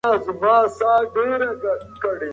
د فارابي افکار نن هم ارزښت لري.